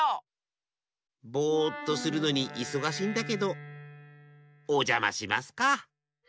ぼっとするのにいそがしいんだけどおじゃましますか！